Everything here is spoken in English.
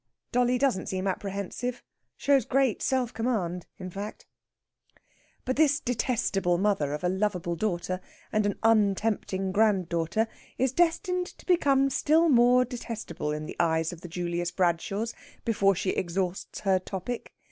Dolly doesn't seem apprehensive shows great self command, in fact. But this detestable mother of a lovable daughter and an untempting granddaughter is destined to become still more detestable in the eyes of the Julius Bradshaws before she exhausts her topic.